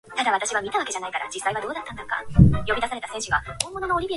He was the youngest constitutional officer in North Dakota's history.